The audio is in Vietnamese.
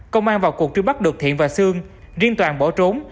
công an vào cuộc truy bắt được thiện và sương riêng toàn bỏ trốn